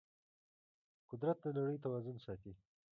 قدرت د نړۍ توازن ساتي.